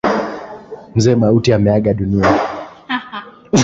Mzee Mauti ameaga dunia.